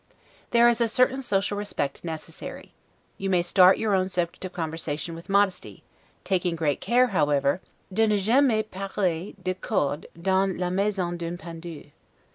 There is a social respect necessary: you may start your own subject of conversation with modesty, taking great care, however, 'de ne jamais parler de cordes dans la maison d'un pendu.